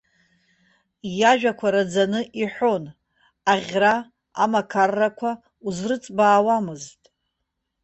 Иажәақәа раӡаны иҳәон, аӷьра, амақаррақәа узрыҵбаауамызт.